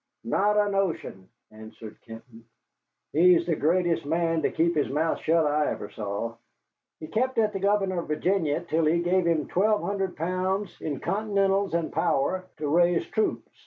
"Not a notion," answered Kenton. "He's the greatest man to keep his mouth shut I ever saw. He kept at the governor of Virginny till he gave him twelve hundred pounds in Continentals and power to raise troops.